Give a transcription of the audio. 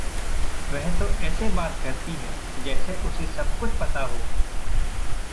वह तो ऐसे बात करती है जैसे उसे सब कुछ पता हो।